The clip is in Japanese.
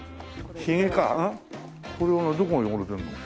これはどこが汚れてるの？